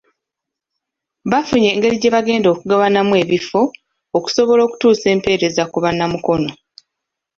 Bafunye engeri gye bagenda okugabanamu ebifo, okusobola okutuusa empeereza ku Bannamukono.